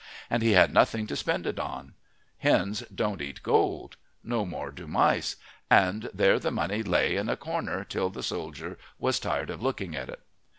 And he had nothing to spend it on. Hens don't eat gold. No more do mice. And there the money lay in a corner till the soldier was tired of looking at it.